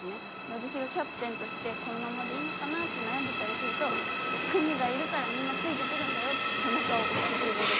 私がキャプテンとしてこのままでいいのかな？って悩んでたりすると「久美がいるからみんなついてくるんだよ」って背中を押してくれる。